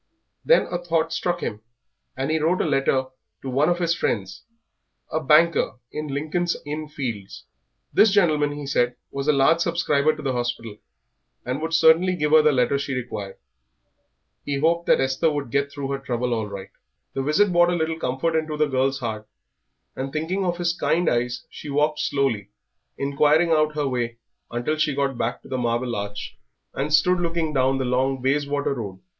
Then a thought struck him, and he wrote a letter to one of his friends, a banker in Lincoln's Inn Fields. This gentleman, he said, was a large subscriber to the hospital, and would certainly give her the letter she required. He hoped that Esther would get through her trouble all right. The visit brought a little comfort into the girl's heart; and thinking of his kind eyes she walked slowly, inquiring out her way until she got back to the Marble Arch, and stood looking down the long Bayswater Road.